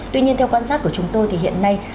tuy nhiên theo quan sát của chúng tôi thì hiện nay